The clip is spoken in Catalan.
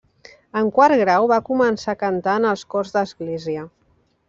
En quart grau, va començar a cantar en els cors d'església.